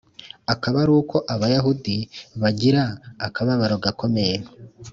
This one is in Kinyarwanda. akaba ari ko abayahudi bagira akababaro gakomeye,